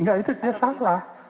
nggak itu salah